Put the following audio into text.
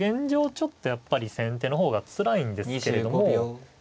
ちょっとやっぱり先手の方がつらいんですけれども。